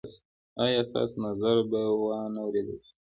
ایا ستاسو نظر به وا نه وریدل شي؟